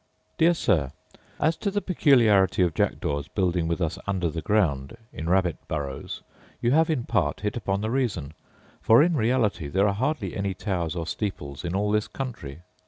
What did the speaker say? Dear Sir, As to the peculiarity of jackdaws building with us under the ground in rabbit burrows, you have, in part, hit upon the reason; for, in reality, there are hardly any towers or steeples in all this country.